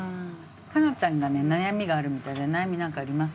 佳菜ちゃんが悩みがあるみたいで悩みなんかあります？